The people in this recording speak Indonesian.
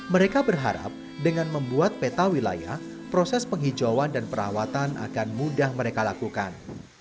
mereka berharap dengan membuat peta wilayah proses penghijauan dan perawatan akan mudah mereka lakukan